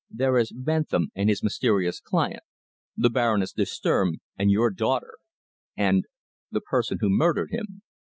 There is Bentham and his mysterious client, the Baroness de Sturm and your daughter, and the person who murdered him.